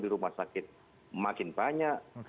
di rumah sakit makin banyak